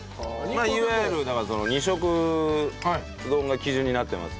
いわゆるだからその二色丼が基準になってます。